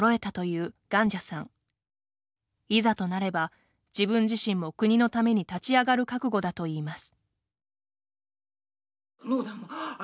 いざとなれば自分自身も国のために立ち上がる覚悟だといいます。